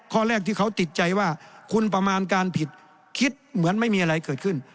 ข้อแรกที่เขาติดใจว่าคุณประมาณการผิดคิดเหมือนไม่มีอะไรเกิดขึ้น